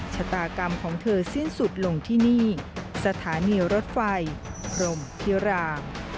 ชะตากรรมของเธอสิ้นสุดลงที่นี่สถานีรถไฟพรมพิราม